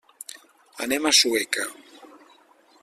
Anem a Sueca.